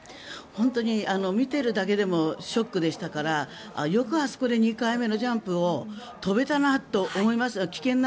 本当に見ているだけでもショックでしたからよくあそこで２回目のジャンプを飛べたなと思います。